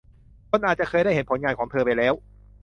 คนอาจจะเคยได้เห็นผลงานของเธอไปแล้ว